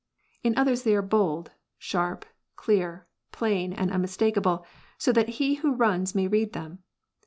In others they are bold, sharp, clear, plain, and unmistakable, so that he who runs may read them.